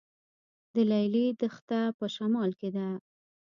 د لیلی دښته په شمال کې ده